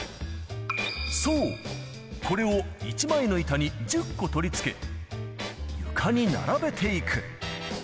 そう、これを１枚の板に１０個取り付け、床に並べていく。